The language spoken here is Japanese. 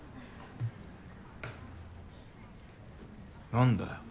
何だよ？